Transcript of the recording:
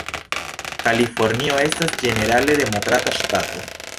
Kalifornio estas ĝenerale Demokrata ŝtato.